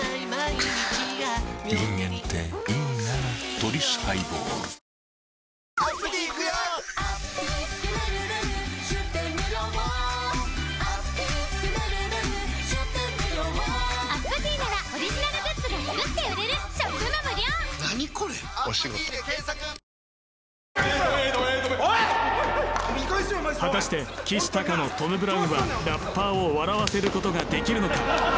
「トリスハイボール」果たしてきしたかのトム・ブラウンはラッパーを笑わせることができるのか？